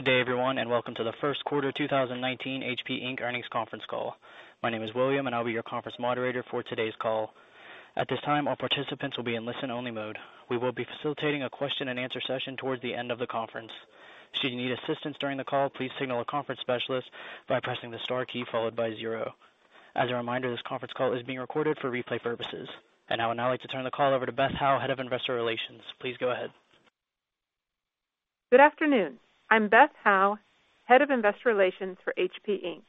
Good day, everyone, welcome to the first quarter 2019 HP Inc. earnings conference call. My name is William, I'll be your conference moderator for today's call. At this time, all participants will be in listen-only mode. We will be facilitating a question and answer session towards the end of the conference. Should you need assistance during the call, please signal a conference specialist by pressing the star key followed by zero. As a reminder, this conference call is being recorded for replay purposes. I would now like to turn the call over to Beth Howe, Head of Investor Relations. Please go ahead. Good afternoon. I'm Beth Howe, Head of Investor Relations for HP Inc.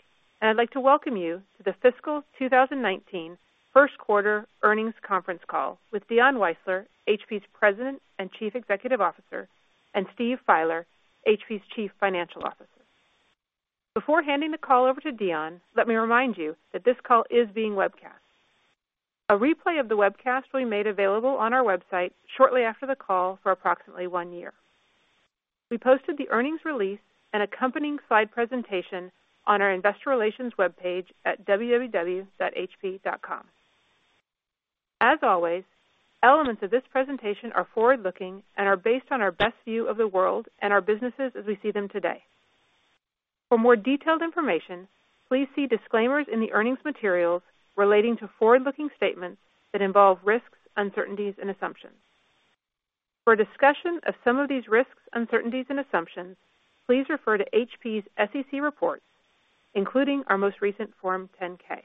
I'd like to welcome you to the fiscal 2019 first quarter earnings conference call with Dion Weisler, HP's President and Chief Executive Officer, and Steve Fieler, HP's Chief Financial Officer. Before handing the call over to Dion, let me remind you that this call is being webcast. A replay of the webcast will be made available on our website shortly after the call for approximately one year. We posted the earnings release and accompanying slide presentation on our investor relations webpage at www.hp.com. As always, elements of this presentation are forward-looking and are based on our best view of the world and our businesses as we see them today. For more detailed information, please see disclaimers in the earnings materials relating to forward-looking statements that involve risks, uncertainties, and assumptions. For a discussion of some of these risks, uncertainties, and assumptions, please refer to HP's SEC reports, including our most recent Form 10-K.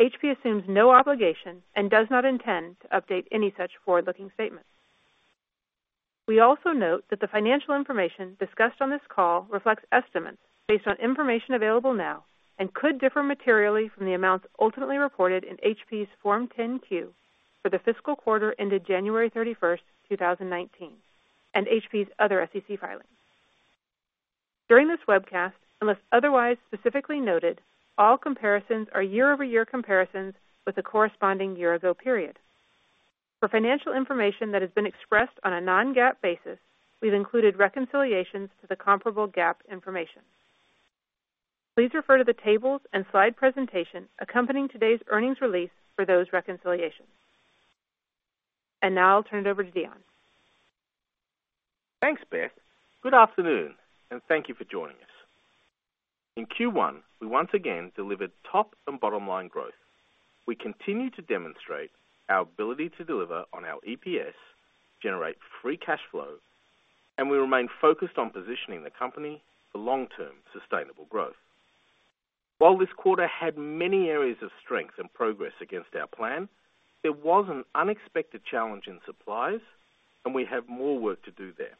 HP assumes no obligation and does not intend to update any such forward-looking statements. We also note that the financial information discussed on this call reflects estimates based on information available now and could differ materially from the amounts ultimately reported in HP's Form 10-Q for the fiscal quarter ended January 31st, 2019, and HP's other SEC filings. During this webcast, unless otherwise specifically noted, all comparisons are year-over-year comparisons with the corresponding year-ago period. For financial information that has been expressed on a non-GAAP basis, we've included reconciliations to the comparable GAAP information. Please refer to the tables and slide presentation accompanying today's earnings release for those reconciliations. Now I'll turn it over to Dion. Thanks, Beth. Good afternoon, thank you for joining us. In Q1, we once again delivered top and bottom-line growth. We continue to demonstrate our ability to deliver on our EPS, generate free cash flow, we remain focused on positioning the company for long-term sustainable growth. While this quarter had many areas of strength and progress against our plan, there was an unexpected challenge in supplies, we have more work to do there.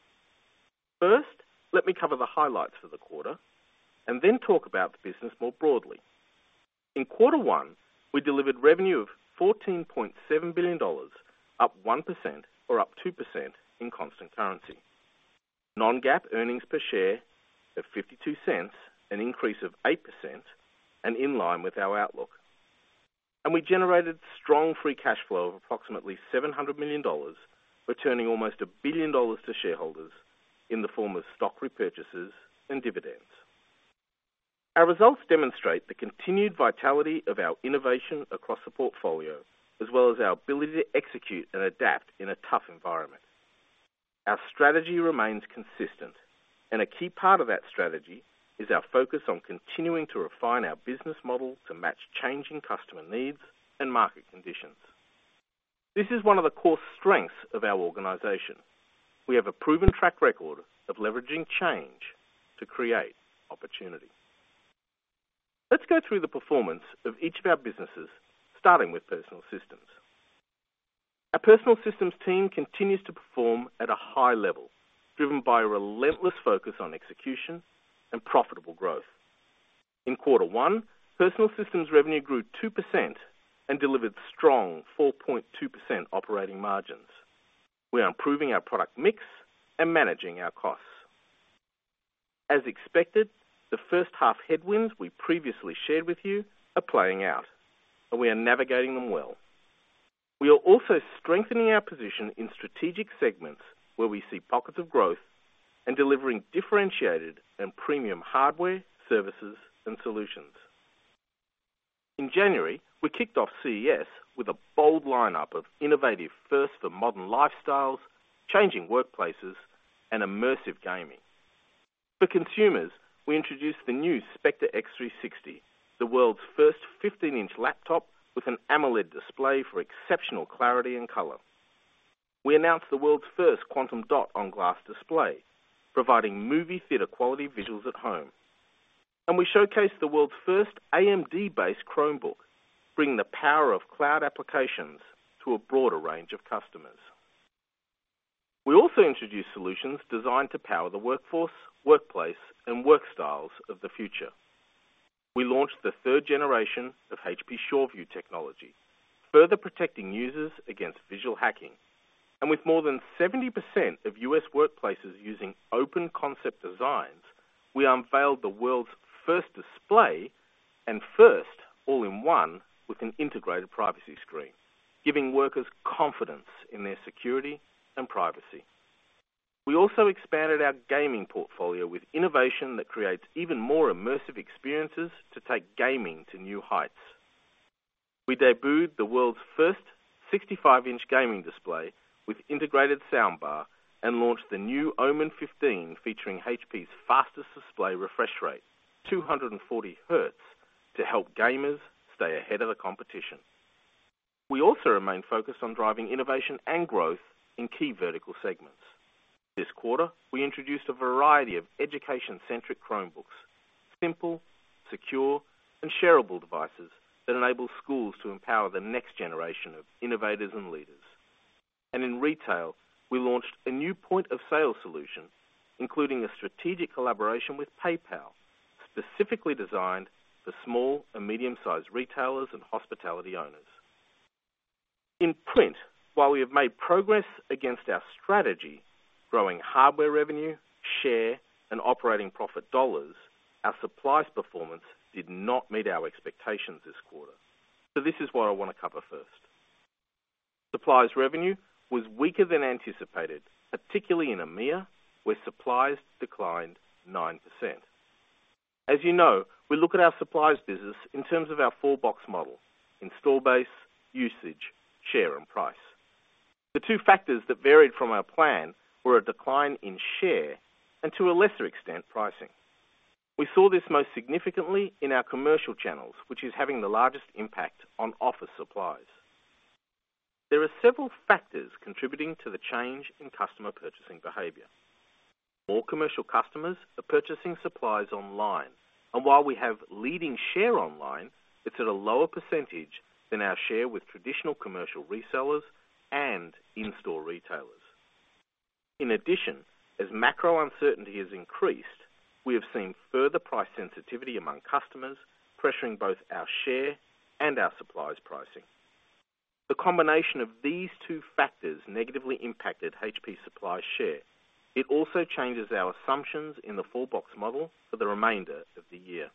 First, let me cover the highlights for the quarter, then talk about the business more broadly. In quarter one, we delivered revenue of $14.7 billion, up 1%, or up 2% in constant currency. Non-GAAP earnings per share of $0.52, an increase of 8%, in line with our outlook. We generated strong free cash flow of approximately $700 million, returning almost $1 billion to shareholders in the form of stock repurchases and dividends. Our results demonstrate the continued vitality of our innovation across the portfolio, as well as our ability to execute and adapt in a tough environment. Our strategy remains consistent, a key part of that strategy is our focus on continuing to refine our business model to match changing customer needs and market conditions. This is one of the core strengths of our organization. We have a proven track record of leveraging change to create opportunity. Let's go through the performance of each of our businesses, starting with Personal Systems. Our Personal Systems team continues to perform at a high level, driven by a relentless focus on execution and profitable growth. In quarter one, Personal Systems revenue grew 2% and delivered strong 4.2% operating margins. We are improving our product mix and managing our costs. As expected, the first half headwinds we previously shared with you are playing out, and we are navigating them well. We are also strengthening our position in strategic segments where we see pockets of growth and delivering differentiated and premium hardware, services, and solutions. In January, we kicked off CES with a bold lineup of innovative firsts for modern lifestyles, changing workplaces, and immersive gaming. For consumers, we introduced the new Spectre x360, the world's first 15-inch laptop with an AMOLED display for exceptional clarity and color. We announced the world's first Quantum Dot on Glass display, providing movie theater-quality visuals at home. We showcased the world's first AMD-based Chromebook, bringing the power of cloud applications to a broader range of customers. We also introduced solutions designed to power the workforce, workplace, and work styles of the future. We launched the third generation of HP Sure View technology, further protecting users against visual hacking. With more than 70% of U.S. workplaces using open concept designs, we unveiled the world's first display and first all-in-one with an integrated privacy screen, giving workers confidence in their security and privacy. We also expanded our gaming portfolio with innovation that creates even more immersive experiences to take gaming to new heights. We debuted the world's first 65-inch gaming display with integrated soundbar and launched the new Omen 15 featuring HP's fastest display refresh rate, 240 hertz, to help gamers stay ahead of the competition. We also remain focused on driving innovation and growth in key vertical segments. This quarter, we introduced a variety of education-centric Chromebooks, simple, secure, and shareable devices that enable schools to empower the next generation of innovators and leaders. In retail, we launched a new point-of-sale solution, including a strategic collaboration with PayPal, specifically designed for small and medium-sized retailers and hospitality owners. In print, while we have made progress against our strategy, growing hardware revenue, share, and operating profit dollars, our supplies performance did not meet our expectations this quarter. This is what I want to cover first. Supplies revenue was weaker than anticipated, particularly in EMEA, where supplies declined 9%. As you know, we look at our supplies business in terms of our four-box model: install base, usage, share, and price. The two factors that varied from our plan were a decline in share and, to a lesser extent, pricing. We saw this most significantly in our commercial channels, which is having the largest impact on office supplies. There are several factors contributing to the change in customer purchasing behavior. More commercial customers are purchasing supplies online, and while we have leading share online, it's at a lower percentage than our share with traditional commercial resellers and in-store retailers. In addition, as macro uncertainty has increased, we have seen further price sensitivity among customers, pressuring both our share and our supplies pricing. The combination of these two factors negatively impacted HP supply share. It also changes our assumptions in the four-box model for the remainder of the year.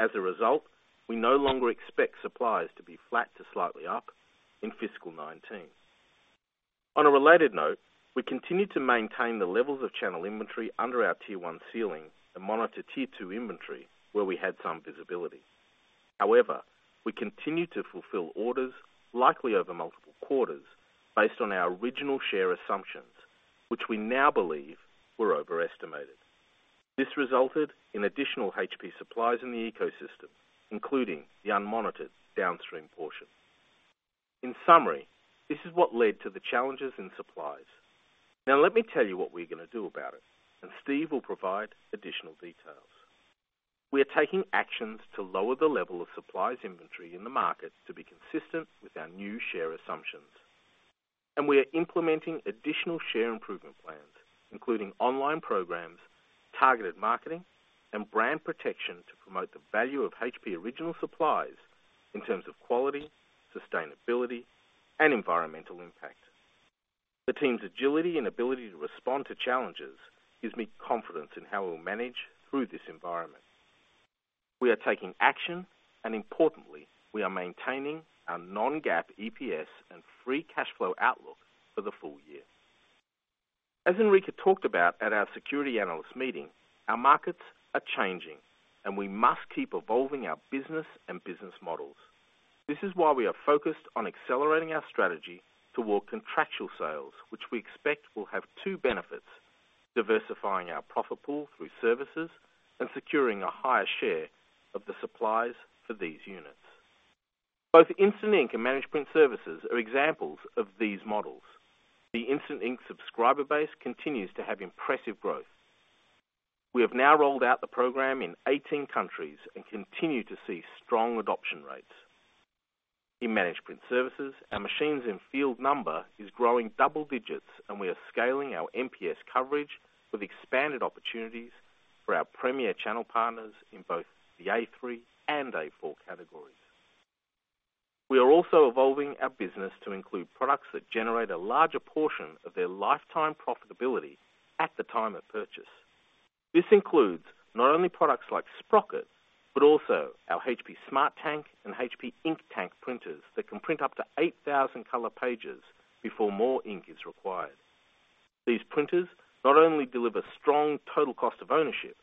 As a result, we no longer expect supplies to be flat to slightly up in fiscal 2019. On a related note, we continue to maintain the levels of channel inventory under our tier 1 ceiling and monitor tier 2 inventory where we had some visibility. However, we continue to fulfill orders, likely over multiple quarters, based on our original share assumptions, which we now believe were overestimated. This resulted in additional HP supplies in the ecosystem, including the unmonitored downstream portion. In summary, this is what led to the challenges in supplies. Now, let me tell you what we're going to do about it, and Steve will provide additional details. We are taking actions to lower the level of supplies inventory in the market to be consistent with our new share assumptions. We are implementing additional share improvement plans, including online programs, targeted marketing, and brand protection to promote the value of HP original supplies in terms of quality, sustainability, and environmental impact. The team's agility and ability to respond to challenges gives me confidence in how we'll manage through this environment. We are taking action, and importantly, we are maintaining our non-GAAP EPS and free cash flow outlook for the full year. As Enrique talked about at our Securities Analyst Meeting, our markets are changing, and we must keep evolving our business and business models. This is why we are focused on accelerating our strategy toward contractual sales, which we expect will have two benefits: diversifying our profit pool through services and securing a higher share of the supplies for these units. Both Instant Ink and Managed Print Services are examples of these models. The Instant Ink subscriber base continues to have impressive growth. We have now rolled out the program in 18 countries and continue to see strong adoption rates. In Managed Print Services, our machines in field number is growing double digits, and we are scaling our MPS coverage with expanded opportunities for our premier channel partners in both the A3 and A4 categories. We are also evolving our business to include products that generate a larger portion of their lifetime profitability at the time of purchase. This includes not only products like Sprocket, but also our HP Smart Tank and HP Ink Tank printers that can print up to 8,000 color pages before more ink is required. These printers not only deliver strong total cost of ownership,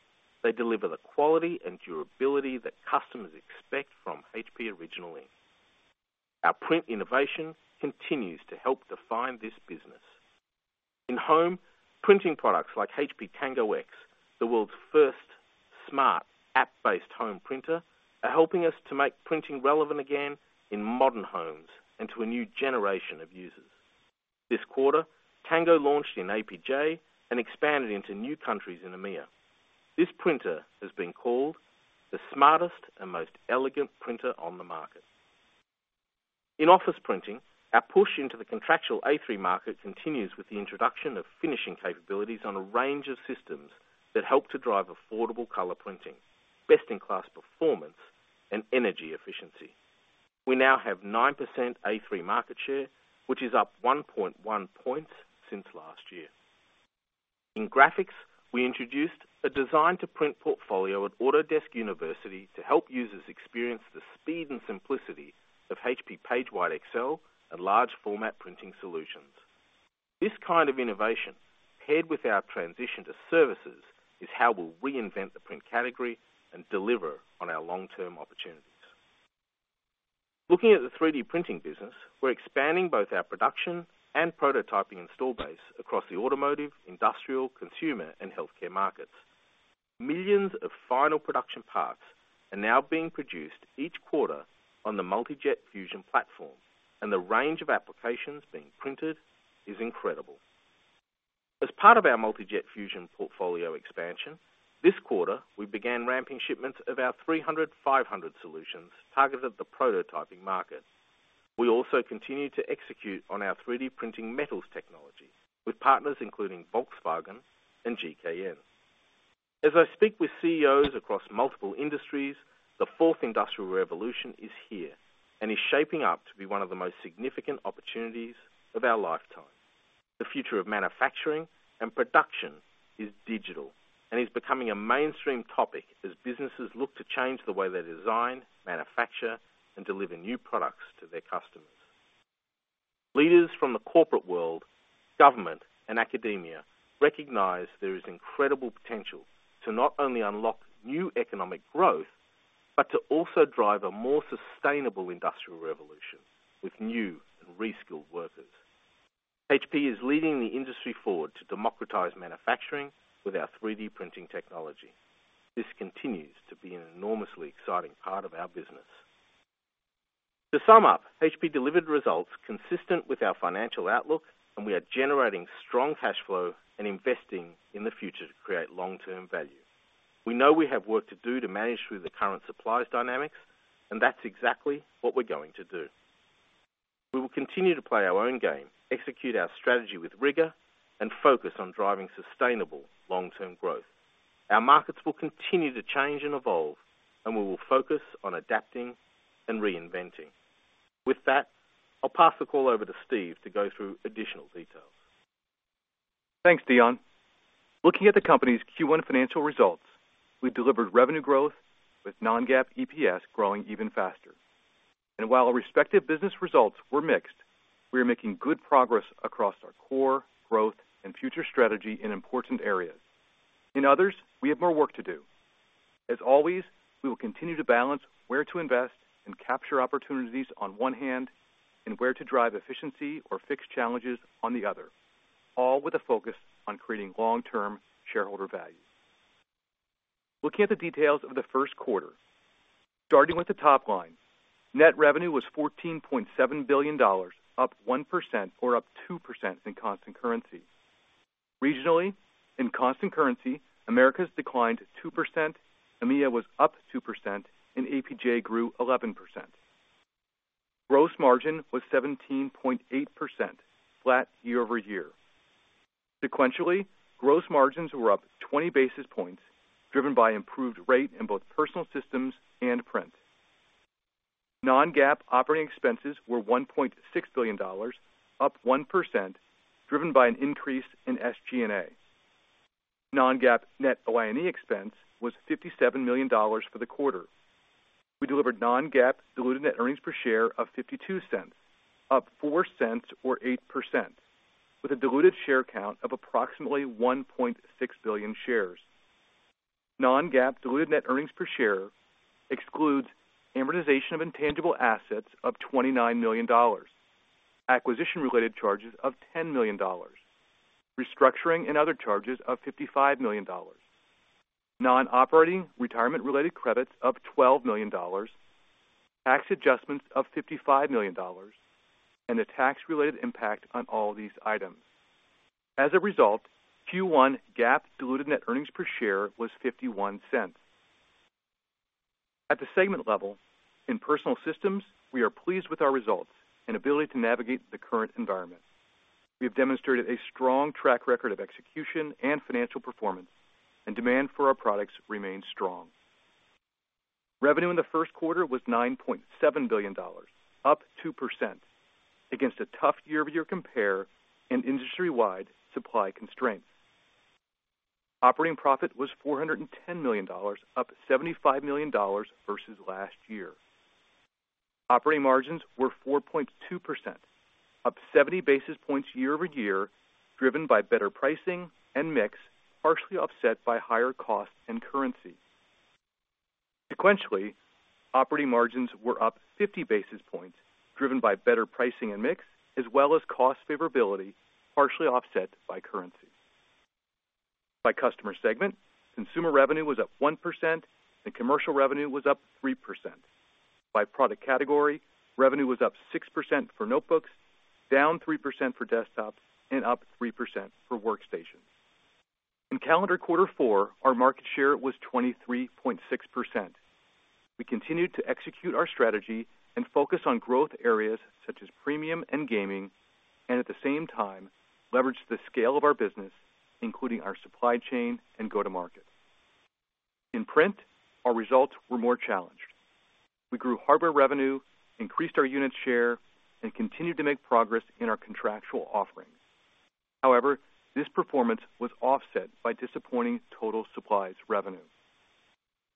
they deliver the quality and durability that customers expect from HP original ink. Our print innovation continues to help define this business. In home, printing products like HP Tango X, the world's first smart app-based home printer, are helping us to make printing relevant again in modern homes and to a new generation of users. This quarter, Tango launched in APJ and expanded into new countries in EMEA. This printer has been called the smartest and most elegant printer on the market. In office printing, our push into the contractual A3 market continues with the introduction of finishing capabilities on a range of systems that help to drive affordable color printing, best-in-class performance, and energy efficiency. We now have 9% A3 market share, which is up 1.1 points since last year. In graphics, we introduced a design-to-print portfolio at Autodesk University to help users experience the speed and simplicity of HP PageWide XL and large format printing solutions. This kind of innovation, paired with our transition to services, is how we'll reinvent the print category and deliver on our long-term opportunities. Looking at the 3D printing business, we're expanding both our production and prototyping install base across the automotive, industrial, consumer, and healthcare markets. Millions of final production parts are now being produced each quarter on the Multi Jet Fusion platform, and the range of applications being printed is incredible. As part of our Multi Jet Fusion portfolio expansion, this quarter, we began ramping shipments of our 300 500 solutions targeted at the prototyping market. We also continue to execute on our 3D printing metals technology with partners including Volkswagen and GKN. As I speak with CEOs across multiple industries, the fourth industrial revolution is here and is shaping up to be one of the most significant opportunities of our lifetime. The future of manufacturing and production is digital and is becoming a mainstream topic as businesses look to change the way they design, manufacture, and deliver new products to their customers. Leaders from the corporate world, government, and academia recognize there is incredible potential to not only unlock new economic growth, but to also drive a more sustainable industrial revolution with new and re-skilled workers. HP is leading the industry forward to democratize manufacturing with our 3D printing technology. This continues to be an enormously exciting part of our business. To sum up, HP delivered results consistent with our financial outlook, and we are generating strong cash flow and investing in the future to create long-term value. We know we have work to do to manage through the current supplies dynamics, and that's exactly what we're going to do. We will continue to play our own game, execute our strategy with rigor, and focus on driving sustainable long-term growth. Our markets will continue to change and evolve, and we will focus on adapting and reinventing. With that, I'll pass the call over to Steve to go through additional details. Thanks, Dion. Looking at the company's Q1 financial results, we delivered revenue growth with non-GAAP EPS growing even faster. While our respective business results were mixed, we are making good progress across our core, growth, and future strategy in important areas. In others, we have more work to do. As always, we will continue to balance where to invest and capture opportunities on one hand and where to drive efficiency or fix challenges on the other, all with a focus on creating long-term shareholder value. Looking at the details of the first quarter. Starting with the top line, net revenue was $14.7 billion, up 1% or up 2% in constant currency. Regionally, in constant currency, Americas declined 2%, EMEA was up 2%, and APJ grew 11%. Gross margin was 17.8%, flat year-over-year. Sequentially, gross margins were up 20 basis points, driven by improved rate in both Personal Systems and Print. non-GAAP operating expenses were $1.6 billion, up 1%, driven by an increase in SG&A. non-GAAP net OI&E expense was $57 million for the quarter. We delivered non-GAAP diluted net earnings per share of $0.52, up $0.04 or 8%, with a diluted share count of approximately 1.6 billion shares. non-GAAP diluted net earnings per share excludes amortization of intangible assets of $29 million, acquisition-related charges of $10 million, restructuring and other charges of $55 million, non-operating retirement-related credits of $12 million, tax adjustments of $55 million, and a tax-related impact on all these items. As a result, Q1 GAAP diluted net earnings per share was $0.51. At the segment level, in Personal Systems, we are pleased with our results and ability to navigate the current environment. We have demonstrated a strong track record of execution and financial performance, and demand for our products remains strong. Revenue in the first quarter was $9.7 billion, up 2% against a tough year-over-year compare and industry-wide supply constraints. Operating profit was $410 million, up $75 million versus last year. Operating margins were 4.2%, up 70 basis points year-over-year, driven by better pricing and mix, partially offset by higher costs and currency. Sequentially, operating margins were up 50 basis points, driven by better pricing and mix, as well as cost favorability, partially offset by currency. By customer segment, consumer revenue was up 1% and commercial revenue was up 3%. By product category, revenue was up 6% for notebooks, down 3% for desktops, and up 3% for workstations. In calendar Q4, our market share was 23.6%. We continued to execute our strategy and focus on growth areas such as premium and gaming. At the same time, leveraged the scale of our business, including our supply chain and go-to-market. In Print, our results were more challenged. We grew hardware revenue, increased our unit share, and continued to make progress in our contractual offerings. However, this performance was offset by disappointing total supplies revenue.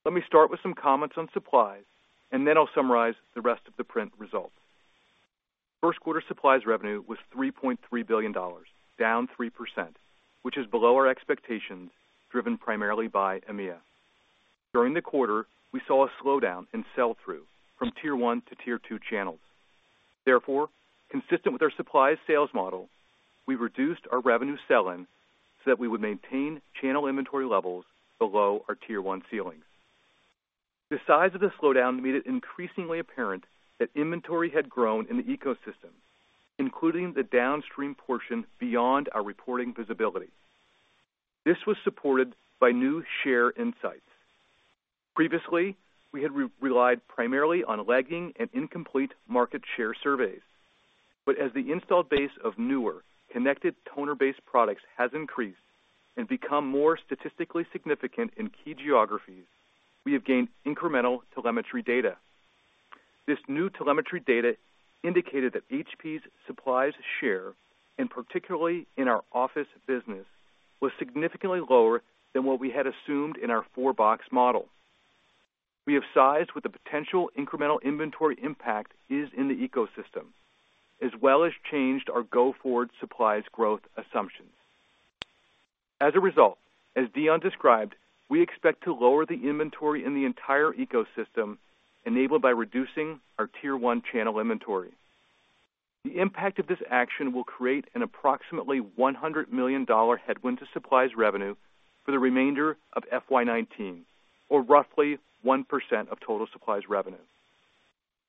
Let me start with some comments on supplies. Then I'll summarize the rest of the Print results. First quarter supplies revenue was $3.3 billion, down 3%, which is below our expectations, driven primarily by EMEA. During the quarter, we saw a slowdown in sell-through from tier 1 to tier 2 channels. Therefore, consistent with our supplies sales model, we reduced our revenue sell-in so that we would maintain channel inventory levels below our tier 1 ceilings. The size of the slowdown made it increasingly apparent that inventory had grown in the ecosystem, including the downstream portion beyond our reporting visibility. This was supported by new share insights. Previously, we had relied primarily on lagging and incomplete market share surveys. As the installed base of newer, connected toner-based products has increased and become more statistically significant in key geographies, we have gained incremental telemetry data. This new telemetry data indicated that HP's supplies share, and particularly in our office business, was significantly lower than what we had assumed in our four-box model. We have sized what the potential incremental inventory impact is in the ecosystem, as well as changed our go-forward supplies growth assumptions. As a result, as Dion described, we expect to lower the inventory in the entire ecosystem, enabled by reducing our tier 1 channel inventory. The impact of this action will create an approximately $100 million headwind to supplies revenue for the remainder of FY 2019, or roughly 1% of total supplies revenue.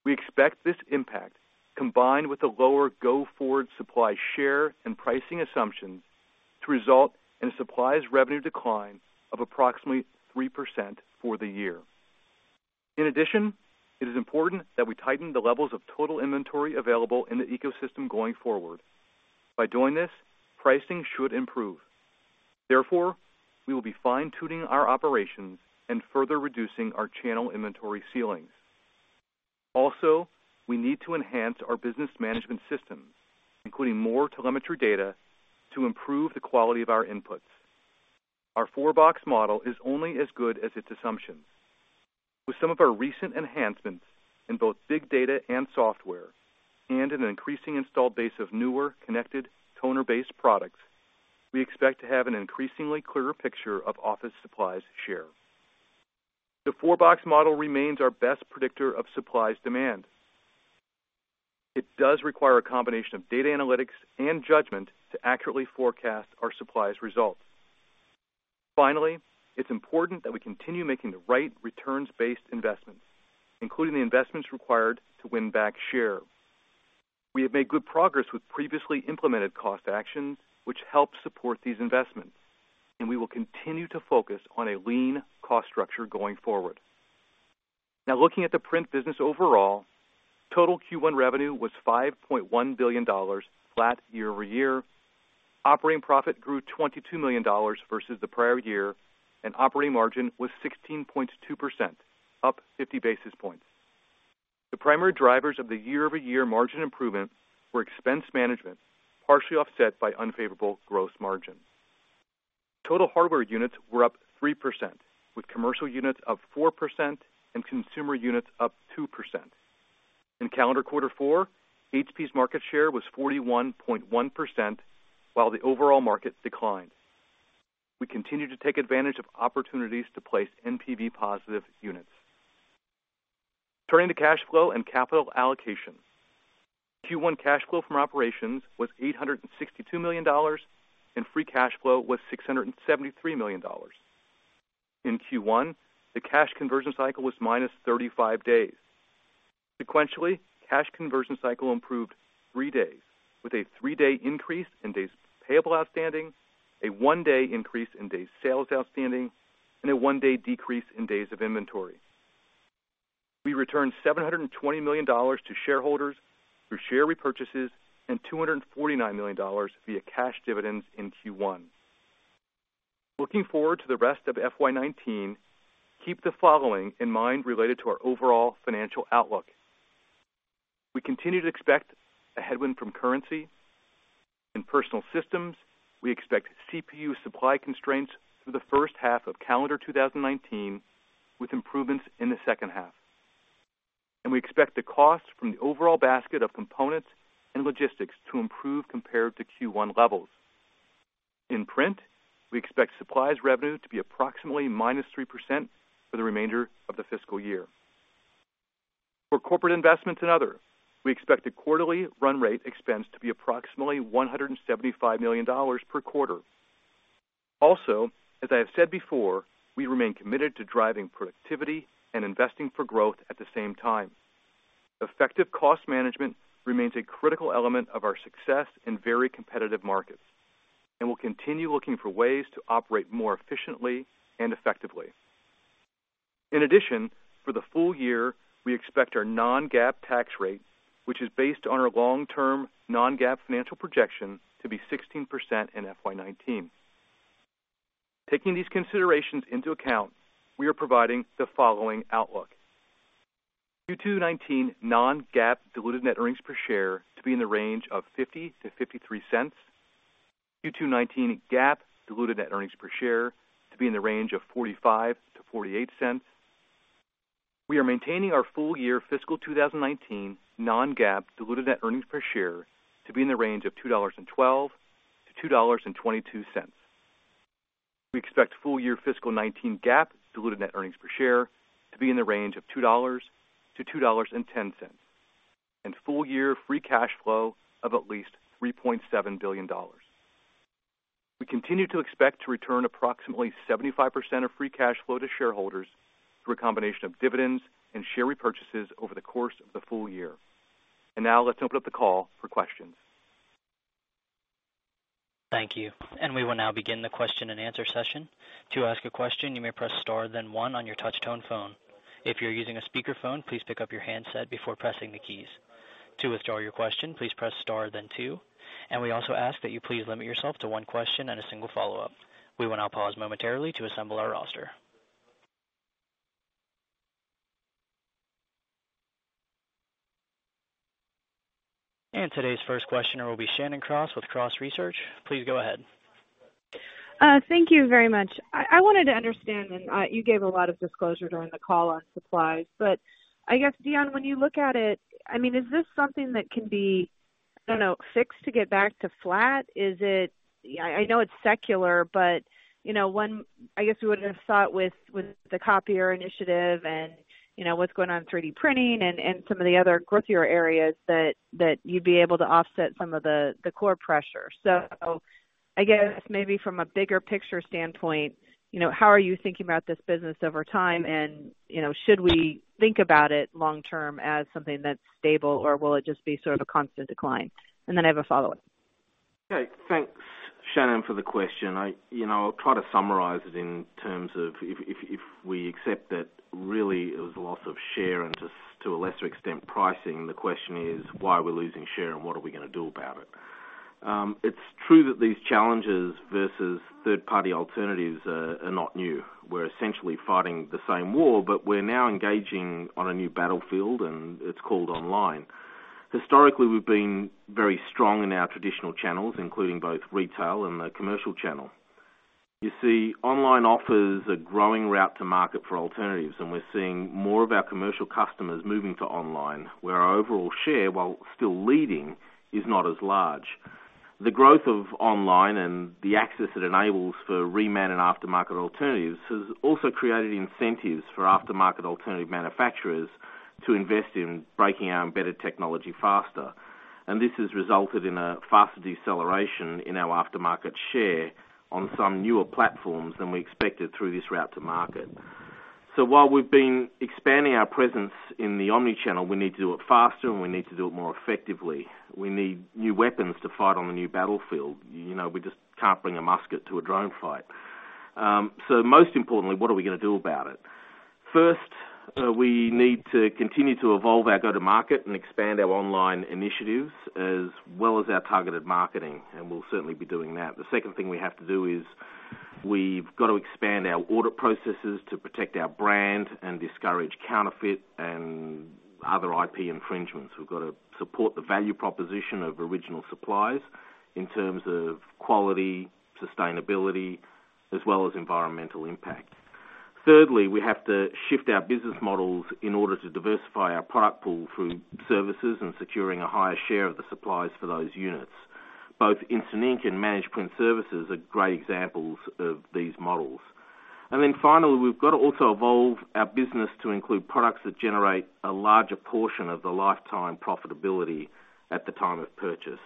We expect this impact, combined with the lower go-forward supplies share and pricing assumptions, to result in a supplies revenue decline of approximately 3% for the year. In addition, it is important that we tighten the levels of total inventory available in the ecosystem going forward. By doing this, pricing should improve. Therefore, we will be fine-tuning our operations and further reducing our channel inventory ceilings. Also, we need to enhance our business management systems, including more telemetry data, to improve the quality of our inputs. Our four-box model is only as good as its assumptions. With some of our recent enhancements in both big data and software and an increasing installed base of newer, connected toner-based products, we expect to have an increasingly clearer picture of office supplies share. The four-box model remains our best predictor of supplies demand. It does require a combination of data analytics and judgment to accurately forecast our supplies results. Finally, it's important that we continue making the right returns-based investments, including the investments required to win back share. We have made good progress with previously implemented cost actions, which help support these investments, and we will continue to focus on a lean cost structure going forward. Now, looking at the Print business overall, total Q1 revenue was $5.1 billion, flat year-over-year. Operating profit grew $22 million versus the prior year, and operating margin was 16.2%, up 50 basis points. The primary drivers of the year-over-year margin improvement were expense management, partially offset by unfavorable gross margin. Total hardware units were up 3%, with commercial units up 4% and consumer units up 2%. In calendar quarter four, HP's market share was 41.1%, while the overall market declined. We continue to take advantage of opportunities to place NPV positive units. Turning to cash flow and capital allocation. Q1 cash flow from operations was $862 million, and free cash flow was $673 million. In Q1, the cash conversion cycle was -35 days. Sequentially, cash conversion cycle improved three days, with a three-day increase in days payable outstanding, a one-day increase in days sales outstanding, and a one-day decrease in days of inventory. We returned $720 million to shareholders through share repurchases and $249 million via cash dividends in Q1. Looking forward to the rest of FY '19, keep the following in mind related to our overall financial outlook. We continue to expect a headwind from currency. In Personal Systems, we expect CPU supply constraints through the first half of calendar 2019, with improvements in the second half. We expect the cost from the overall basket of components and logistics to improve compared to Q1 levels. In Print, we expect supplies revenue to be approximately -3% for the remainder of the fiscal year. For corporate investments and other, we expect the quarterly run rate expense to be approximately $175 million per quarter. As I have said before, we remain committed to driving productivity and investing for growth at the same time. Effective cost management remains a critical element of our success in very competitive markets, and we'll continue looking for ways to operate more efficiently and effectively. For the full year, we expect our non-GAAP tax rate, which is based on our long-term non-GAAP financial projection to be 16% in FY '19. Taking these considerations into account, we are providing the following outlook. Q2 '19 non-GAAP diluted net earnings per share to be in the range of $0.50-$0.53. Q2 '19 GAAP diluted net earnings per share to be in the range of $0.45-$0.48. We are maintaining our full year fiscal 2019 non-GAAP diluted net earnings per share to be in the range of $2.12-$2.22. We expect full year fiscal '19 GAAP diluted net earnings per share to be in the range of $2.00-$2.10, and full year free cash flow of at least $3.7 billion. We continue to expect to return approximately 75% of free cash flow to shareholders through a combination of dividends and share repurchases over the course of the full year. Now let's open up the call for questions. Thank you. We will now begin the question and answer session. To ask a question, you may press star then one on your touch tone phone. If you're using a speakerphone, please pick up your handset before pressing the keys. To withdraw your question, please press star then two. We also ask that you please limit yourself to one question and a single follow-up. We will now pause momentarily to assemble our roster. Today's first questioner will be Shannon Cross with Cross Research. Please go ahead. Thank you very much. I wanted to understand, you gave a lot of disclosure during the call on supplies, I guess, Dion, when you look at it, is this something that can be, I don't know, fixed to get back to flat? I know it's secular, I guess we wouldn't have thought with the copier initiative and what's going on in 3D printing and some of the other growthier areas that you'd be able to offset some of the core pressure. I guess maybe from a bigger picture standpoint, how are you thinking about this business over time? Should we think about it long term as something that's stable, or will it just be sort of a constant decline? I have a follow-up. Okay, thanks, Shannon, for the question. I'll try to summarize it in terms of if we accept that really it was a loss of share and to a lesser extent, pricing, the question is, why are we losing share and what are we going to do about it? It's true that these challenges versus third party alternatives are not new. We're essentially fighting the same war, we're now engaging on a new battlefield, it's called online. Historically, we've been very strong in our traditional channels, including both retail and the commercial channel. You see, online offers a growing route to market for alternatives, we're seeing more of our commercial customers moving to online, where our overall share, while still leading, is not as large. The growth of online and the access it enables for reman and aftermarket alternatives has also created incentives for aftermarket alternative manufacturers to invest in breaking our embedded technology faster. This has resulted in a faster deceleration in our aftermarket share on some newer platforms than we expected through this route to market. While we've been expanding our presence in the omni-channel, we need to do it faster, we need to do it more effectively. We need new weapons to fight on the new battlefield. We just can't bring a musket to a drone fight. Most importantly, what are we going to do about it? First, we need to continue to evolve our go-to market and expand our online initiatives as well as our targeted marketing, we'll certainly be doing that. The second thing we have to do is we've got to expand our border processes to protect our brand and discourage counterfeit and other IP infringements. We've got to support the value proposition of original supplies in terms of quality, sustainability, as well as environmental impact. Thirdly, we have to shift our business models in order to diversify our profit pool through services and securing a higher share of the supplies for those units. Both Instant Ink and Managed Print Services are great examples of these models. Finally, we've got to also evolve our business to include products that generate a larger portion of the lifetime profitability at the time of purchase.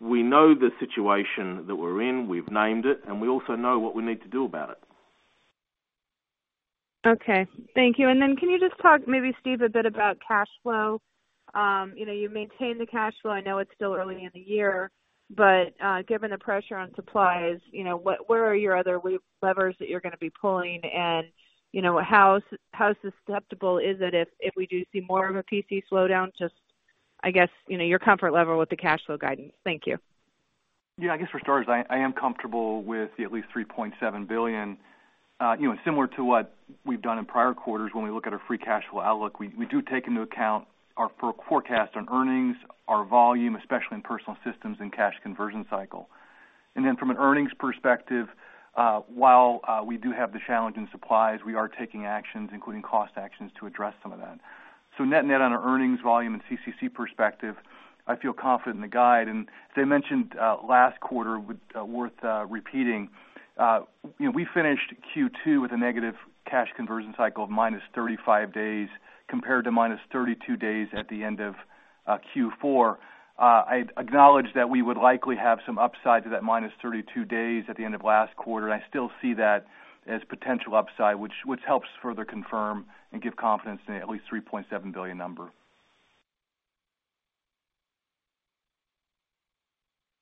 We know the situation that we're in, we've named it, we also know what we need to do about it. Okay. Thank you. Can you just talk maybe, Steve, a bit about cash flow? You've maintained the cash flow. I know it's still early in the year, but given the pressure on supplies, where are your other levers that you're going to be pulling? How susceptible is it if we do see more of a PC slowdown, just, I guess, your comfort level with the cash flow guidance. Thank you. I guess for starters, I am comfortable with the at least $3.7 billion. Similar to what we've done in prior quarters when we look at our free cash flow outlook, we do take into account our forecast on earnings, our volume, especially in Personal Systems and cash conversion cycle. From an earnings perspective, while we do have the challenge in supplies, we are taking actions, including cost actions, to address some of that. Net on our earnings volume and CCC perspective, I feel confident in the guide. As I mentioned last quarter, worth repeating, we finished Q2 with a negative cash conversion cycle of -35 days compared to -32 days at the end of Q4. I acknowledge that we would likely have some upside to that -32 days at the end of last quarter, and I still see that as potential upside, which helps further confirm and give confidence in the at least $3.7 billion number.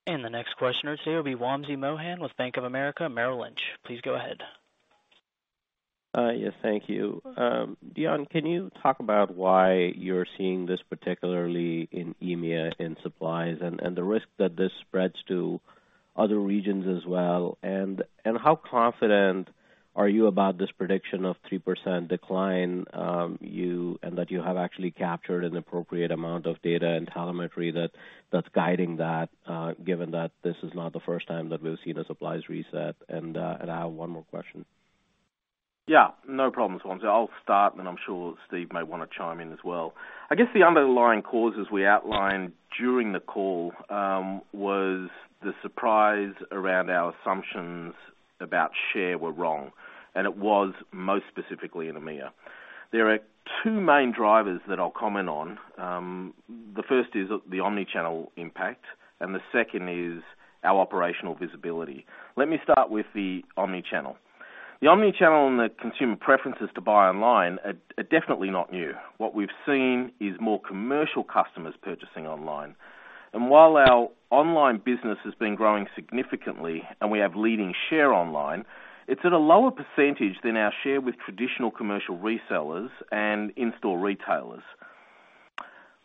The next questioner today will be Wamsi Mohan with Bank of America Merrill Lynch. Please go ahead. Yes, thank you. Dion, can you talk about why you're seeing this, particularly in EMEA, in supplies, and the risk that this spreads to other regions as well? How confident are you about this prediction of 3% decline, and that you have actually captured an appropriate amount of data and telemetry that's guiding that, given that this is not the first time that we've seen a supplies reset? I have one more question. Yeah, no problems, Wamsi. I'll start, and I'm sure Steve may want to chime in as well. I guess the underlying causes we outlined during the call was the surprise around our assumptions about share were wrong, and it was most specifically in EMEA. There are two main drivers that I'll comment on. The first is the omni-channel impact, and the second is our operational visibility. Let me start with the omni-channel. The omni-channel and the consumer preferences to buy online are definitely not new. What we've seen is more commercial customers purchasing online. While our online business has been growing significantly, and we have leading share online, it's at a lower % than our share with traditional commercial resellers and in-store retailers.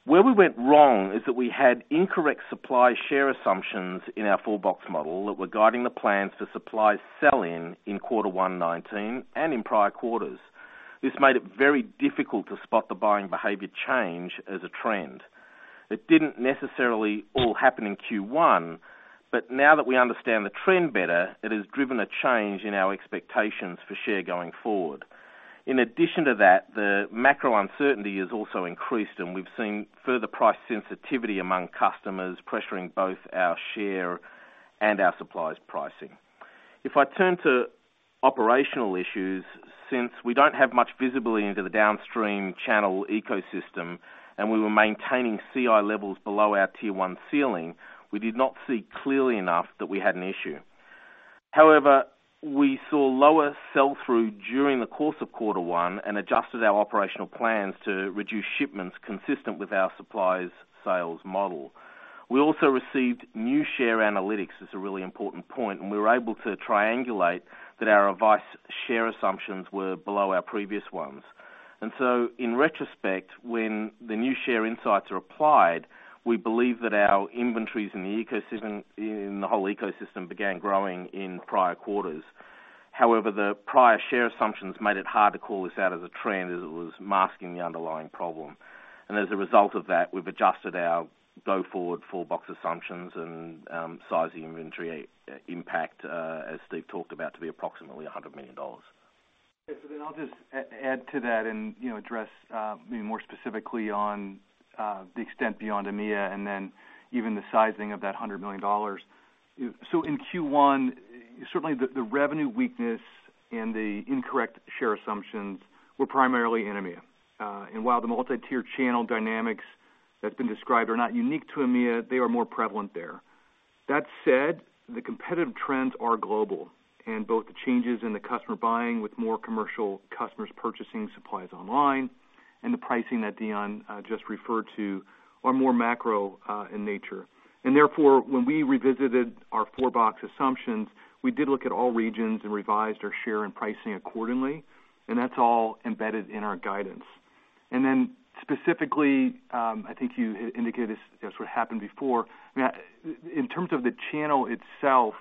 Where we went wrong is that we had incorrect supply share assumptions in our four-box model that were guiding the plans for supply sell-in in Q1 2019 and in prior quarters. This made it very difficult to spot the buying behavior change as a trend. It didn't necessarily all happen in Q1, but now that we understand the trend better, it has driven a change in our expectations for share going forward. In addition to that, the macro uncertainty has also increased, and we've seen further price sensitivity among customers, pressuring both our share and our supplies pricing. If I turn to operational issues, since we don't have much visibility into the downstream channel ecosystem and we were maintaining CI levels below our tier 1 ceiling, we did not see clearly enough that we had an issue. However, we saw lower sell-through during the course of quarter one and adjusted our operational plans to reduce shipments consistent with our supplies sales model. We also received new share analytics. That's a really important point. We were able to triangulate that our office share assumptions were below our previous ones. In retrospect, when the new share insights are applied, we believe that our inventories in the whole ecosystem began growing in prior quarters. However, the prior share assumptions made it hard to call this out as a trend, as it was masking the underlying problem. As a result of that, we've adjusted our go forward four-box assumptions and sizing inventory impact, as Steve talked about, to be approximately $100 million. Yes. I'll just add to that and address maybe more specifically on the extent beyond EMEA and even the sizing of that $100 million. In Q1, certainly the revenue weakness and the incorrect share assumptions were primarily in EMEA. While the multi-tier channel dynamics that's been described are not unique to EMEA, they are more prevalent there. That said, the competitive trends are global and both the changes in the customer buying with more commercial customers purchasing supplies online and the pricing that Dion just referred to are more macro in nature. Therefore, when we revisited our four-box assumptions, we did look at all regions and revised our share and pricing accordingly. That's all embedded in our guidance. Specifically, I think you indicated this, that's what happened before. In terms of the channel itself,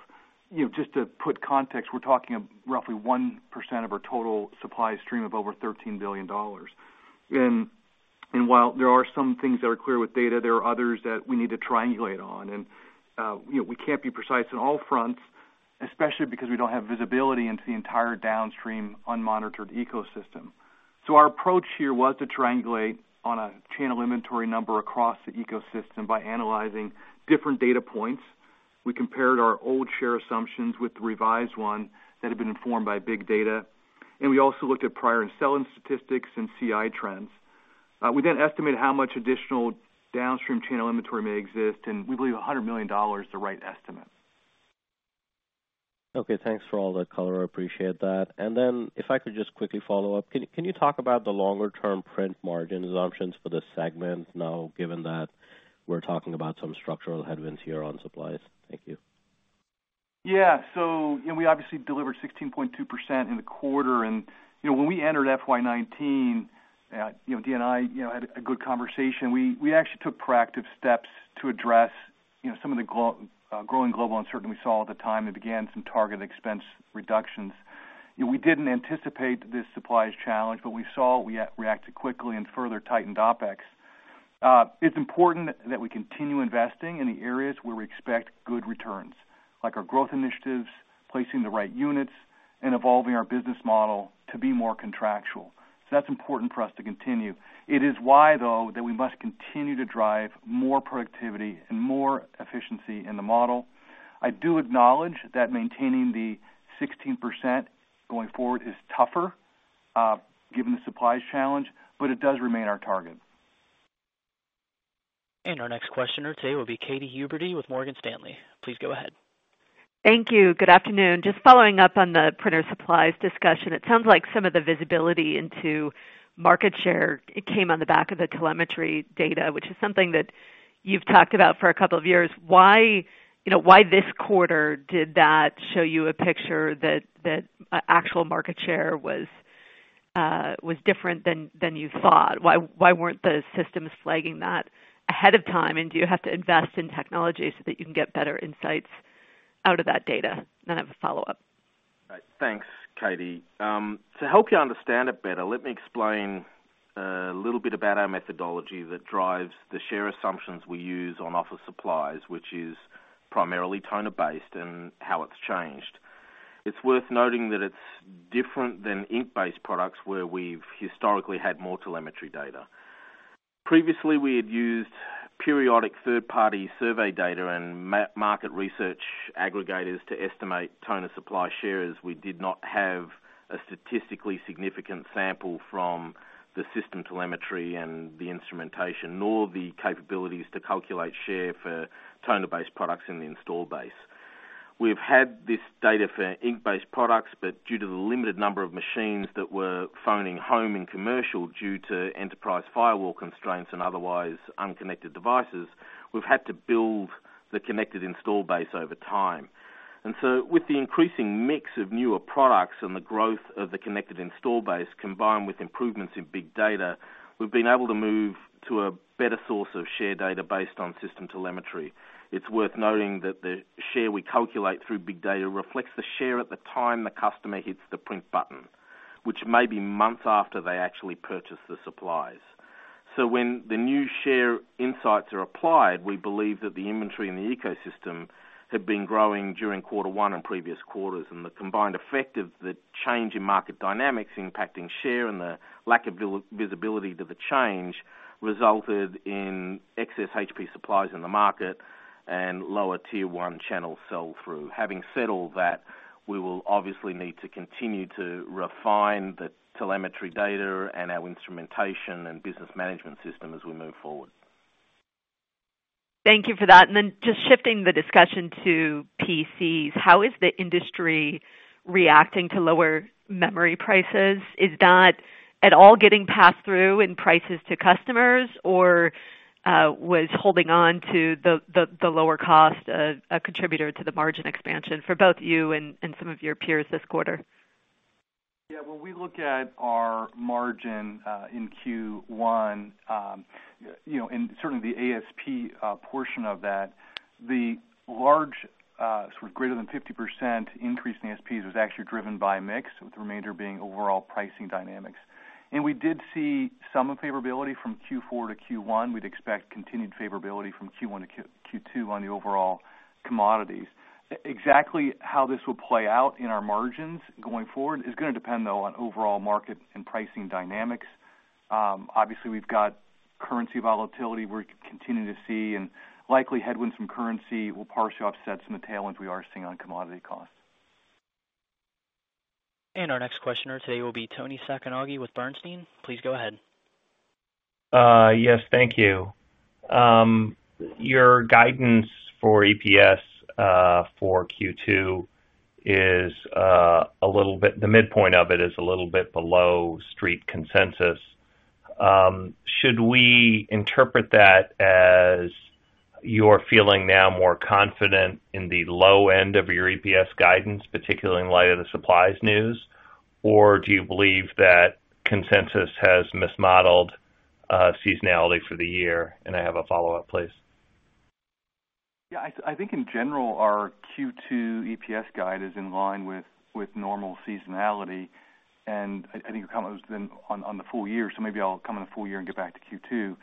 just to put context, we're talking of roughly 1% of our total supply stream of over $13 billion. While there are some things that are clear with data, there are others that we need to triangulate on. We can't be precise on all fronts, especially because we don't have visibility into the entire downstream unmonitored ecosystem. Our approach here was to triangulate on a channel inventory number across the ecosystem by analyzing different data points. We compared our old share assumptions with the revised one that had been informed by big data, we also looked at prior and sell-in statistics and CI trends. We then estimated how much additional downstream channel inventory may exist, and we believe $100 million is the right estimate. Okay, thanks for all that color. I appreciate that. If I could just quickly follow up. Can you talk about the longer-term print margin assumptions for the segment now, given that we're talking about some structural headwinds here on supplies? Thank you. We obviously delivered 16.2% in the quarter. When we entered FY 2019, Dion and I had a good conversation. We actually took proactive steps to address some of the growing global uncertainty we saw at the time and began some targeted expense reductions. We didn't anticipate this supplies challenge, but we saw, we reacted quickly and further tightened OpEx. It's important that we continue investing in the areas where we expect good returns, like our growth initiatives, placing the right units, and evolving our business model to be more contractual. That's important for us to continue. It is why, though, that we must continue to drive more productivity and more efficiency in the model. I do acknowledge that maintaining the 16% going forward is tougher given the supplies challenge, but it does remain our target. Our next questioner today will be Katy Huberty with Morgan Stanley. Please go ahead. Thank you. Good afternoon. Just following up on the printer supplies discussion, it sounds like some of the visibility into market share came on the back of the telemetry data, which is something that you've talked about for a couple of years. Why this quarter did that show you a picture that actual market share was different than you thought? Why weren't the systems flagging that ahead of time? Do you have to invest in technology so that you can get better insights out of that data? I have a follow-up. Thanks, Katy. To help you understand it better, let me explain a little bit about our methodology that drives the share assumptions we use on office supplies, which is primarily toner-based, and how it's changed. It's worth noting that it's different than ink-based products, where we've historically had more telemetry data. Previously, we had used periodic third-party survey data and market research aggregators to estimate toner supply share, as we did not have a statistically significant sample from the system telemetry and the instrumentation, nor the capabilities to calculate share for toner-based products in the install base. We've had this data for ink-based products, but due to the limited number of machines that were phoning home in commercial due to enterprise firewall constraints and otherwise unconnected devices, we've had to build the connected install base over time. With the increasing mix of newer products and the growth of the connected install base, combined with improvements in big data, we've been able to move to a better source of share data based on system telemetry. It's worth noting that the share we calculate through big data reflects the share at the time the customer hits the print button, which may be months after they actually purchase the supplies. When the new share insights are applied, we believe that the inventory in the ecosystem had been growing during quarter one and previous quarters, and the combined effect of the change in market dynamics impacting share and the lack of visibility to the change resulted in excess HP supplies in the market and lower tier one channel sell-through. Having said all that, we will obviously need to continue to refine the telemetry data and our instrumentation and business management system as we move forward. Thank you for that. Just shifting the discussion to PCs, how is the industry reacting to lower memory prices? Is that at all getting passed through in prices to customers, or was holding on to the lower cost a contributor to the margin expansion for both you and some of your peers this quarter? When we look at our margin in Q1, and certainly the ASP portion of that, the large sort of greater than 50% increase in ASPs was actually driven by mix, with the remainder being overall pricing dynamics. We did see some favorability from Q4 to Q1. We'd expect continued favorability from Q1 to Q2 on the overall commodities. Exactly how this will play out in our margins going forward is going to depend, though, on overall market and pricing dynamics. Obviously, we've got currency volatility we're continuing to see, and likely headwinds from currency will partially offset some of the tailwinds we are seeing on commodity costs. Our next questioner today will be Toni Sacconaghi with Bernstein. Please go ahead. Yes, thank you. Your guidance for EPS for Q2, the midpoint of it is a little bit below street consensus. Should we interpret that as you're feeling now more confident in the low end of your EPS guidance, particularly in light of the supplies news? Do you believe that consensus has mismodeled seasonality for the year? I have a follow-up, please. Yeah, I think in general, our Q2 EPS guide is in line with normal seasonality. I think it kind of has been on the full year, so maybe I'll cover the full year and get back to Q2.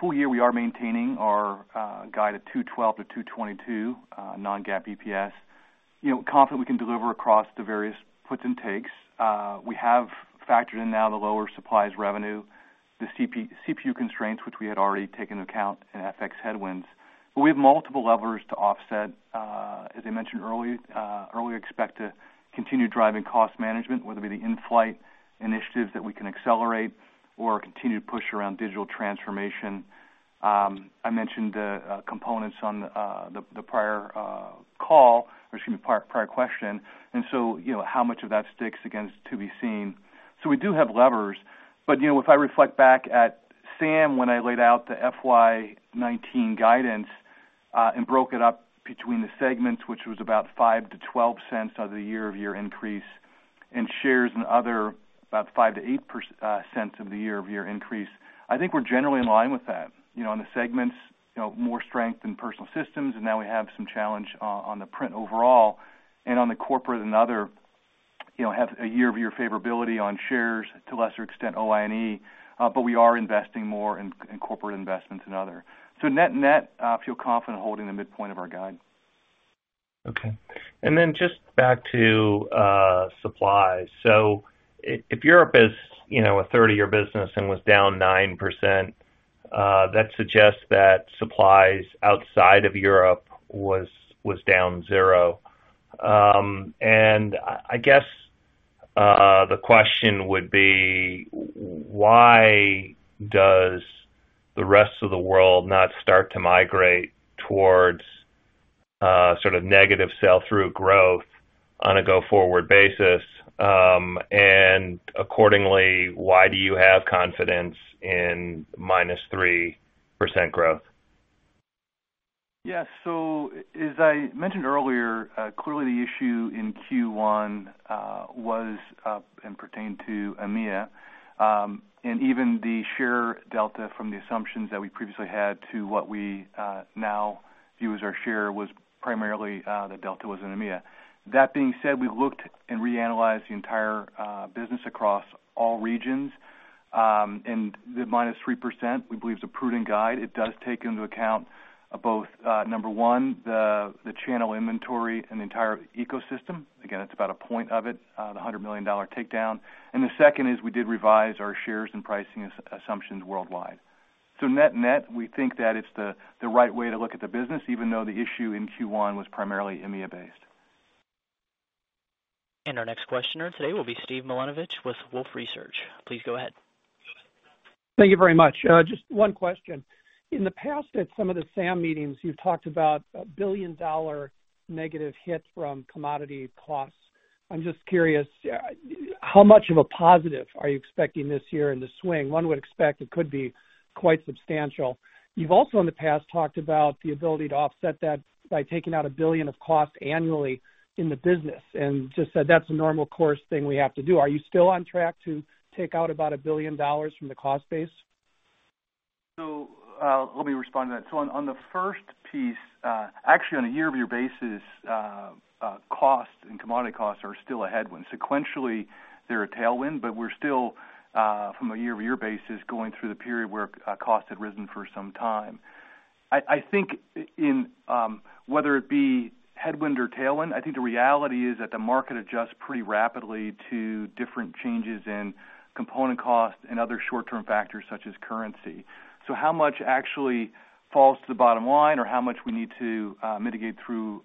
Full year, we are maintaining our guide of $2.12 to $2.22 non-GAAP EPS. Confident we can deliver across the various puts and takes. We have factored in now the lower supplies revenue, the CPU constraints, which we had already taken into account, and FX headwinds. We have multiple levers to offset. As I mentioned earlier, expect to continue driving cost management, whether it be the in-flight initiatives that we can accelerate or continue to push around digital transformation. I mentioned components on the prior call, or excuse me, prior question. How much of that sticks, again, is to be seen. We do have levers. If I reflect back at SAM when I laid out the FY 2019 guidance and broke it up between the segments, which was about $0.05 to $0.12 of the year-over-year increase in shares and other, about $0.05 to $0.08 of the year-over-year increase, I think we're generally in line with that. On the segments, more strength in Personal Systems, now we have some challenge on the print overall. On the corporate and other, have a year-over-year favorability on shares, to lesser extent, OI&E. We are investing more in corporate investments and other. Net net, I feel confident holding the midpoint of our guide. Okay. Just back to supplies. If Europe is a third of your business and was down 9%, that suggests that supplies outside of Europe was down 0%. The question would be, why does the rest of the world not start to migrate towards negative sell-through growth on a go-forward basis? Accordingly, why do you have confidence in -3% growth? Yes. As I mentioned earlier, clearly the issue in Q1 was and pertained to EMEA. Even the share delta from the assumptions that we previously had to what we now view as our share was primarily, the delta was in EMEA. That being said, we looked and reanalyzed the entire business across all regions. The -3%, we believe, is a prudent guide. It does take into account both, number one, the channel inventory and the entire ecosystem. Again, that's about a point of it, the $100 million takedown. The second is we did revise our shares and pricing assumptions worldwide. Net-net, we think that it's the right way to look at the business, even though the issue in Q1 was primarily EMEA-based. Our next questioner today will be Steve Milunovich with Wolfe Research. Please go ahead. Thank you very much. Just one question. In the past, at some of the SAM meetings, you've talked about a $1 billion negative hit from commodity costs. I'm just curious, how much of a positive are you expecting this year in the swing? One would expect it could be quite substantial. You've also, in the past, talked about the ability to offset that by taking out $1 billion of costs annually in the business and just said that's a normal course thing we have to do. Are you still on track to take out about $1 billion from the cost base? Let me respond to that. On the first piece, actually on a year-over-year basis, cost and commodity costs are still a headwind. Sequentially, they're a tailwind, but we're still, from a year-over-year basis, going through the period where costs had risen for some time. I think in whether it be headwind or tailwind, I think the reality is that the market adjusts pretty rapidly to different changes in component costs and other short-term factors such as currency. How much actually falls to the bottom line or how much we need to mitigate through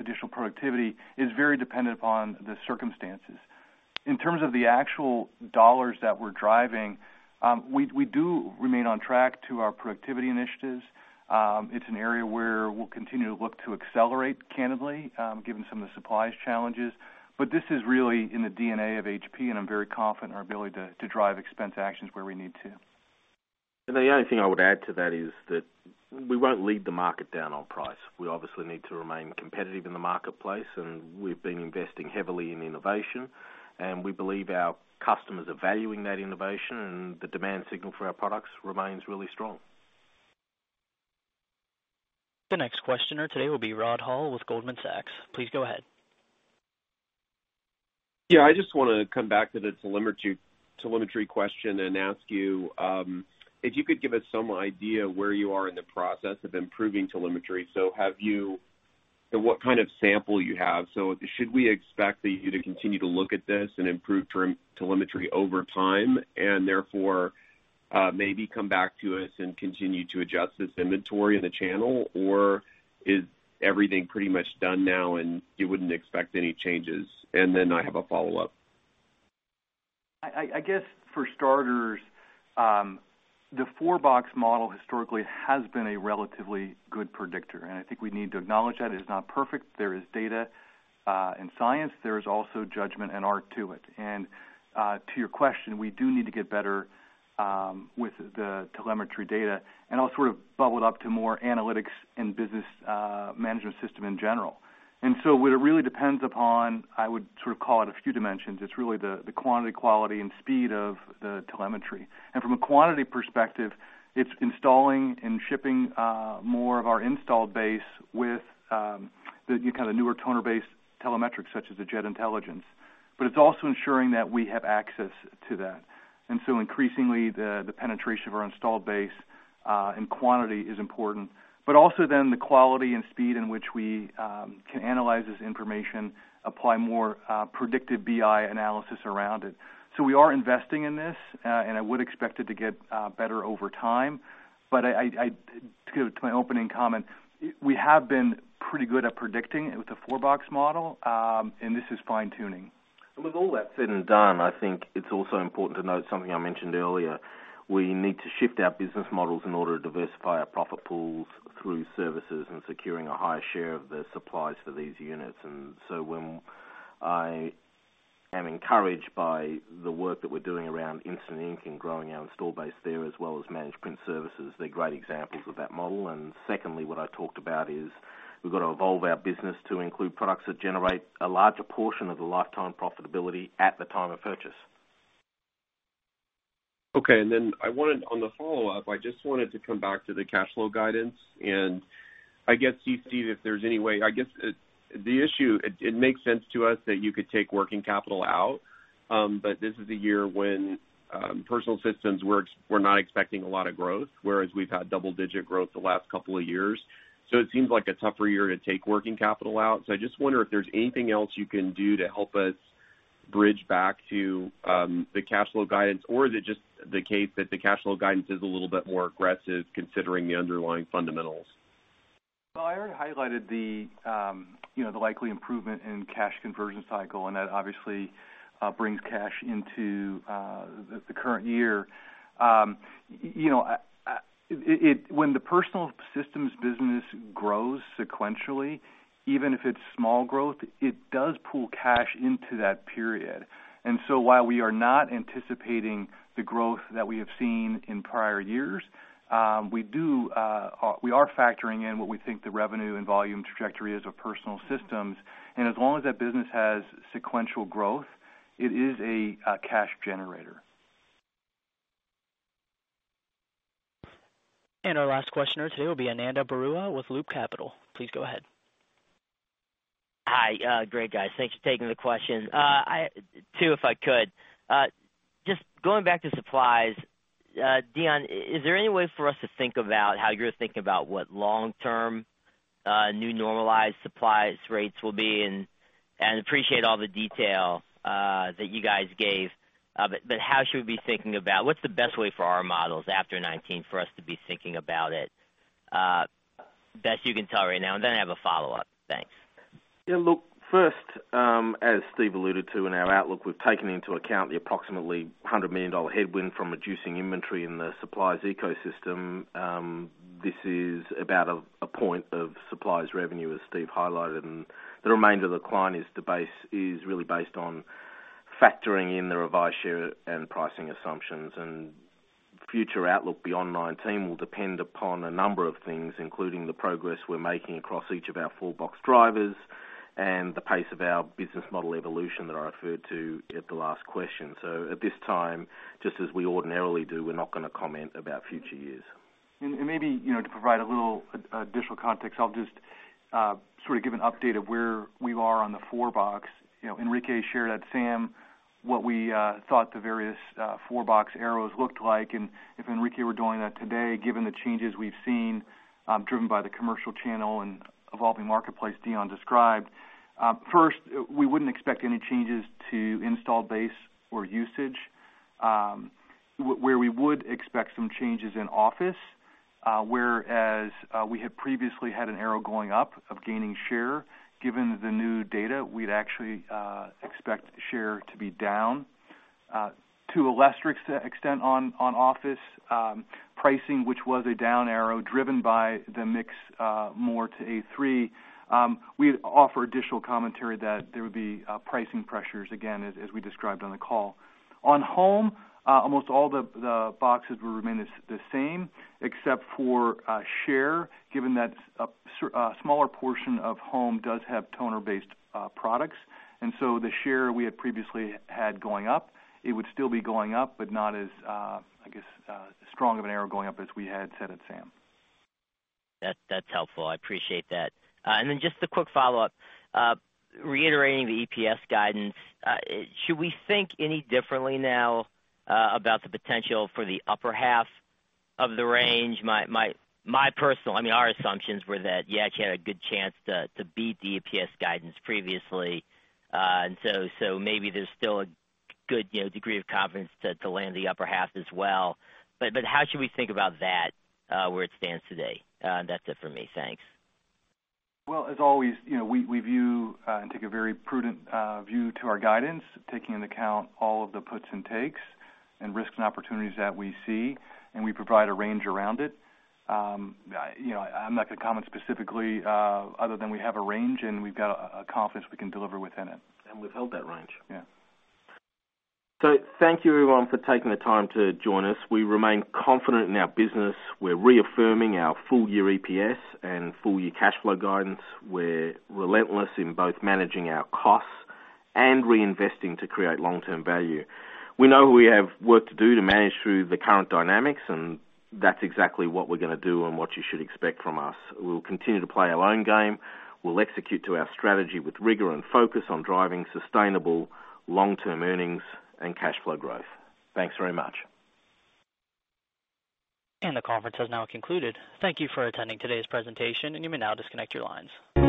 additional productivity is very dependent upon the circumstances. In terms of the actual dollars that we're driving, we do remain on track to our productivity initiatives. It's an area where we'll continue to look to accelerate candidly, given some of the supplies challenges. This is really in the DNA of HP, and I'm very confident in our ability to drive expense actions where we need to. The only thing I would add to that is that we won't lead the market down on price. We obviously need to remain competitive in the marketplace, and we've been investing heavily in innovation, and we believe our customers are valuing that innovation, and the demand signal for our products remains really strong. The next questioner today will be Rod Hall with Goldman Sachs. Please go ahead. Yeah, I just want to come back to the telemetry question and ask you if you could give us some idea where you are in the process of improving telemetry. What kind of sample you have? Should we expect that you to continue to look at this and improve telemetry over time and therefore, maybe come back to us and continue to adjust this inventory in the channel? Or is everything pretty much done now and you wouldn't expect any changes? Then I have a follow-up. I guess for starters, the four-box model historically has been a relatively good predictor, and I think we need to acknowledge that it is not perfect. There is data and science. There is also judgment and art to it. To your question, we do need to get better with the telemetry data and all sort of bubble it up to more analytics and business management system in general. What it really depends upon, I would call it a few dimensions. It's really the quantity, quality, and speed of the telemetry. From a quantity perspective, it's installing and shipping more of our installed base with the newer toner-based telemetrics, such as the JetIntelligence. It's also ensuring that we have access to that. Increasingly, the penetration of our installed base in quantity is important. Also the quality and speed in which we can analyze this information, apply more predictive BI analysis around it. We are investing in this, and I would expect it to get better over time. To my opening comment, we have been pretty good at predicting with the four-box model, and this is fine-tuning. With all that said and done, I think it's also important to note something I mentioned earlier. We need to shift our business models in order to diversify our profit pools through services and securing a higher share of the supplies for these units. I am encouraged by the work that we're doing around Instant Ink and growing our install base there as well as Managed Print Services. They're great examples of that model. Secondly, what I talked about is we've got to evolve our business to include products that generate a larger portion of the lifetime profitability at the time of purchase. Okay, on the follow-up, I just wanted to come back to the cash flow guidance. I guess, Steve, if there's any way-- I guess the issue, it makes sense to us that you could take working capital out, but this is a year when Personal Systems, we're not expecting a lot of growth, whereas we've had double-digit growth the last couple of years. It seems like a tougher year to take working capital out. I just wonder if there's anything else you can do to help us bridge back to the cash flow guidance. Is it just the case that the cash flow guidance is a little bit more aggressive considering the underlying fundamentals? Well, I already highlighted the likely improvement in cash conversion cycle, and that obviously brings cash into the current year. When the Personal Systems business grows sequentially, even if it's small growth, it does pool cash into that period. While we are not anticipating the growth that we have seen in prior years, we are factoring in what we think the revenue and volume trajectory is of Personal Systems, and as long as that business has sequential growth, it is a cash generator. Our last questioner today will be Ananda Baruah with Loop Capital. Please go ahead. Hi. Great, guys. Thanks for taking the question. Two, if I could. Just going back to supplies, Dion, is there any way for us to think about how you're thinking about what long-term new normalized supplies rates will be? Appreciate all the detail that you guys gave, but how should we be thinking about What's the best way for our models after FY 2019 for us to be thinking about it, best you can tell right now? I have a follow-up. Thanks. Yeah. Look, first, as Steve alluded to in our outlook, we've taken into account the approximately $100 million headwind from reducing inventory in the supplies ecosystem. This is about a point of supplies revenue, as Steve highlighted, and the remainder of the decline is really based on factoring in the revised share and pricing assumptions. Future outlook beyond 2019 will depend upon a number of things, including the progress we're making across each of our four-box drivers and the pace of our business model evolution that I referred to at the last question. At this time, just as we ordinarily do, we're not going to comment about future years. Maybe to provide a little additional context, I'll just sort of give an update of where we are on the four-box. Enrique shared at SAM what we thought the various four-box arrows looked like, and if Enrique were doing that today, given the changes we've seen, driven by the commercial channel and evolving marketplace Dion described. First, we wouldn't expect any changes to installed base or usage. Where we would expect some changes in office share, whereas we had previously had an arrow going up of gaining share. Given the new data, we'd actually expect share to be down. To a lesser extent on office pricing, which was a down arrow driven by the mix more to A3, we'd offer additional commentary that there would be pricing pressures again, as we described on the call. On Home, almost all the boxes will remain the same except for share, given that a smaller portion of Home does have toner-based products. The share we had previously had going up, it would still be going up, but not as strong of an arrow going up as we had said at SAM. That's helpful. I appreciate that. Then just a quick follow-up. Reiterating the EPS guidance, should we think any differently now about the potential for the upper half of the range? Our assumptions were that you actually had a good chance to beat the EPS guidance previously. Maybe there's still a good degree of confidence to land the upper half as well. How should we think about that where it stands today? That's it for me. Thanks. Well, as always, we view and take a very prudent view to our guidance, taking into account all of the puts and takes and risks and opportunities that we see. We provide a range around it. I'm not going to comment specifically other than we have a range, and we've got a confidence we can deliver within it. We've held that range. Yeah. Thank you everyone for taking the time to join us. We remain confident in our business. We're reaffirming our full-year EPS and full-year cash flow guidance. We're relentless in both managing our costs and reinvesting to create long-term value. We know we have work to do to manage through the current dynamics, and that's exactly what we're going to do and what you should expect from us. We'll continue to play our own game. We'll execute to our strategy with rigor and focus on driving sustainable long-term earnings and cash flow growth. Thanks very much. The conference has now concluded. Thank you for attending today's presentation. You may now disconnect your lines.